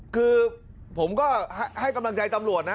คือผมก็ให้กำลังใจตำรวจนะ